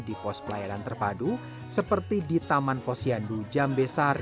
di pos pelayanan terpadu seperti di taman pos yandu jambe sari